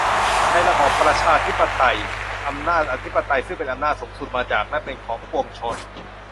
ในระบอบประชา-ธิปไตย อำนาจอธิปไตยซึ่งเป็นอำนาจสูงสุดมาจากและเป็นของปวงชน